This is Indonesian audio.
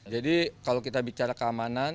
jadi kalau kita bicara keamanan